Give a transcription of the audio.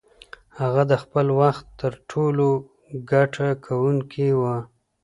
هغه د خپل وخت تر ټولو ګټه کوونکې وه.